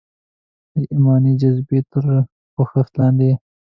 د ایماني جذبې تر پوښښ لاندې.